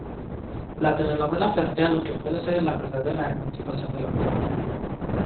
La telenovela plantea lo que puede ser la verdadera emancipación de la mujer.